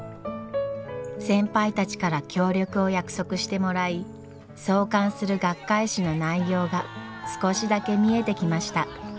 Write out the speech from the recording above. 先輩たちから協力を約束してもらい創刊する学会誌の内容が少しだけ見えてきました。